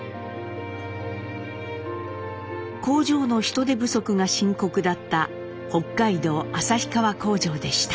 工場の人手不足が深刻だった北海道旭川工場でした。